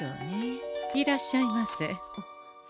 いらっしゃいませ。